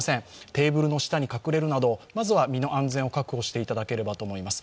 テーブルの下に隠れるなど、まず身の安全を確保していただければと思います。